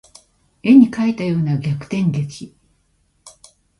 絵に描いたような逆転劇